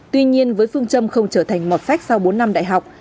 tuy nhiên với phương châm không trở thành mọt phách sau bốn năm đại học